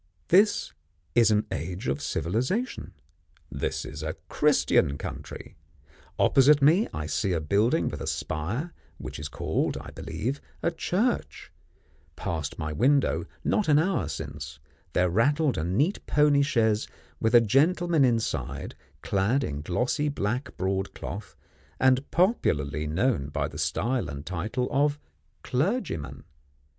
This is an age of civilisation; this is a Christian country; opposite me I see a building with a spire, which is called, I believe, a church; past my window, not an hour since, there rattled a neat pony chaise with a gentleman inside clad in glossy black broad cloth, and popularly known by the style and title of clergyman.